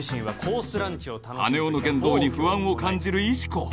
羽男の言動に不安を感じる石子